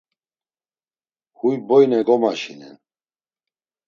Huy boyne gomaşinen.